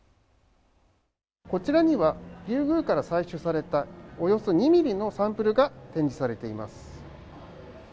こちらには、リュウグウから採取されたおよそ２ｍｍのサンプルが展示されています。